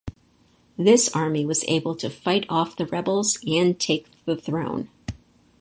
This army was able to fight off the rebels and take the throne.